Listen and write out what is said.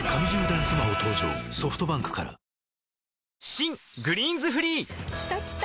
新「グリーンズフリー」きたきた！